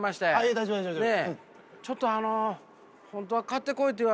大丈夫大丈夫。